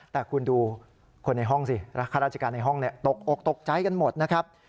แต่คุณดูคนในห้องสิข้าราชการในห้องตกอกตกใจกันหมดนะครับ